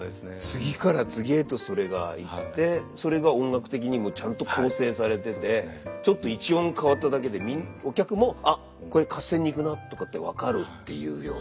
次から次へとそれがいってそれが音楽的にもちゃんと構成されててちょっと一音変わっただけでお客も「あっこれ合戦に行くな」とかって分かるっていうような。